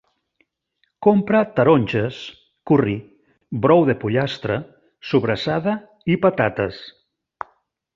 Compra taronges, curri, brou de pollastre, sobrassada i patates